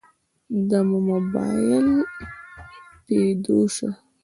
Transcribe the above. دمو مباييل پيدو شه.